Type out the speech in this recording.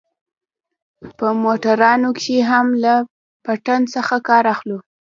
په موټرانو کښې هم له پټن څخه کار اخلو.